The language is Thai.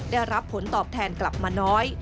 ได้รับผลตอบแทนกลับมาน้อย